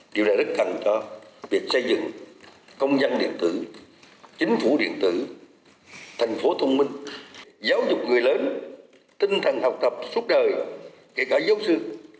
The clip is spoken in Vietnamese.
điều này rất cần cho việc xây dựng công dân điện tử chính phủ điện tử thành phố thông minh giáo dục người lớn tinh thần học tập suốt đời kể cả giáo sư